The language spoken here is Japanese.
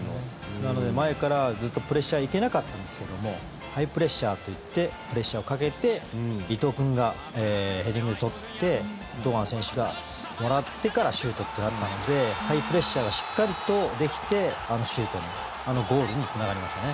なので、前からずっとプレッシャー行けなかったんですけどもハイプレッシャーといってプレッシャーをかけて伊東君がヘディングで取って堂安選手がもらってからシュートってなったのでハイプレッシャーがしっかりとできてあのシュートにあのゴールにつながりましたね。